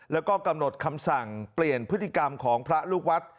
แล้วก็กำหนดคำสั่งเปลี่ยนพฤติกรรมของพระลูกวัด